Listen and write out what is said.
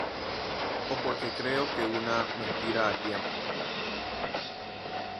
o porque creo que una mentira a tiempo